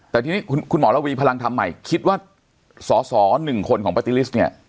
แต่ทีนี้คุณหมอระวีพลังธรรมใหม่คิดว่าสอสอหนึ่งคนของปาร์ตี้ลิสต์เนี่ย